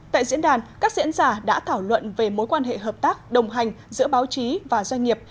tại diễn đàn các diễn giả đã thảo luận về mối quan hệ hợp tác đồng hành giữa báo chí và doanh nghiệp